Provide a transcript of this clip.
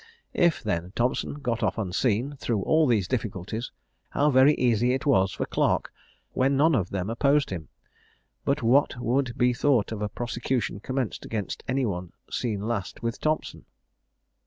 If, then, Thompson got off unseen, through all these difficulties, how very easy it was for Clarke, when none of them opposed him! But what would be thought of a prosecution commenced against any one seen last with Thompson?